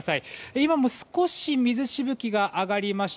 今も、少し水しぶきが上がりました。